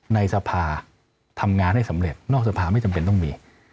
ในสภาทำงานให้สำเร็จนอกสภาไม่จำเป็นต้องมี